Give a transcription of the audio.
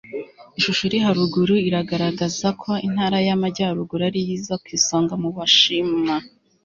Ishusho iri haruguru iragagaragaza ko intara y amajyaruguru ariyo iza ku isonga mu bashima